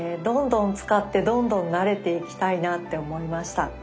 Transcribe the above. どんどん使ってどんどん慣れていきたいなって思いました。